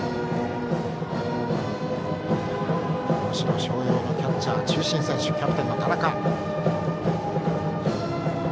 能代松陽のキャッチャーは中心選手、キャプテンの田中。